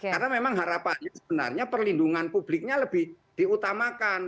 karena memang harapannya sebenarnya perlindungan publiknya lebih diutamakan